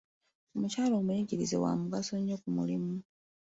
Omukyala omuyigirize wa mugaso nnyo ku mulimu.